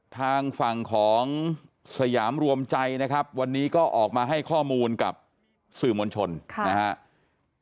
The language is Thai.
ทางฝั่งของสยามรวมใจนะครับวันนี้ก็ออกมาให้ข้อมูลกับสื่อมวลชนนะครับ